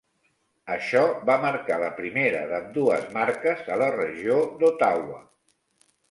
Això va marcar la primera d'ambdues marques a la regió d'Ottawa.